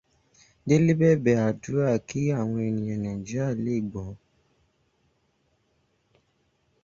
Délé bẹ̀bẹ̀ àdúrà kí àwọn ènìyàn Nàíjíríà le gbọ́n.